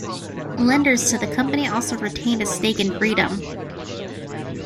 Lenders to the company also retained a stake in Freedom.